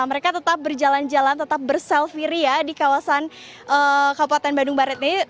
mereka tetap berjalan jalan tetap berselfie ria di kawasan kabupaten bandung barat ini